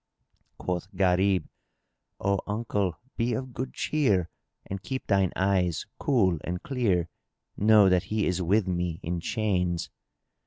Quoth Gharib, "O uncle, be of good cheer and keep thine eyes cool and clear: know that he is with me in chains."